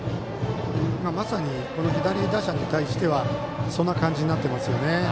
まさに、左打者に対してはそんな感じになっていますよね。